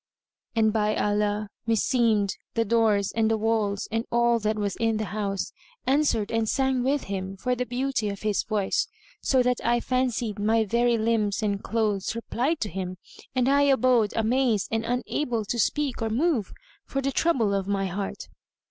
And by Allah, meseemed the doors and the walls and all that was in the house answered and sang with him, for the beauty of his voice, so that I fancied my very limbs and clothes replied to him, and I abode amazed and unable to speak or move, for the trouble of my heart.